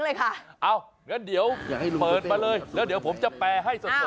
เลยค่ะอ้าวงั้นเดี๋ยวเปิดมาเลยแล้วเดี๋ยวผมจะแปลให้ส่วนสดตรงนี้